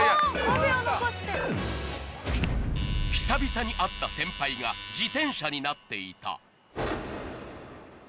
「久々に会った先輩が自転車になっていた」